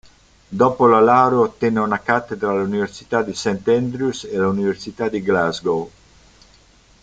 Dopo la laurea ottenne una cattedra all'università di St. Andrews e all'università di Glasgow.